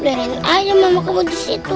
biarin aja mami kamu disitu